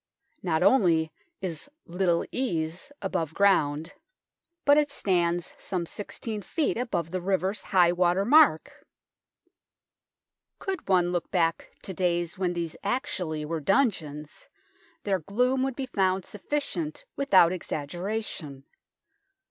Not only is " Little Ease " above ground, but it stands THE NORMAN KEEP 47 some 1 6 ft. above the river's high water mark ! Could one look back to days when these actually were dungeons, their gloom would be found sufficient without exaggeration.